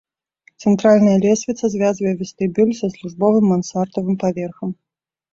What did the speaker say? Цэнтральная лесвіца звязвае вестыбюль са службовым мансардавым паверхам.